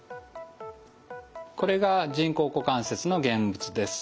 これが人工股関節の現物です。